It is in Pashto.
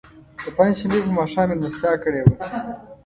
د پنج شنبې په ماښام میلمستیا کړې وه.